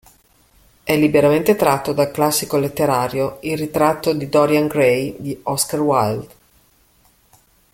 È liberamente tratto dal classico letterario "Il ritratto di Dorian Gray" di Oscar Wilde.